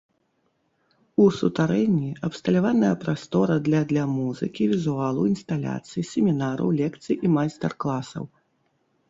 У сутарэнні абсталяваная прастора для для музыкі, візуалу, інсталяцый, семінараў, лекцый і майстар-класаў.